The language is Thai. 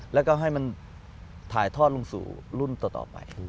แล้วก็ให้มันถ่ายทอดลงสู่รุ่นต่อไป